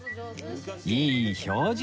いい表情